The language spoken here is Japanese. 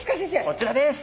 こちらです。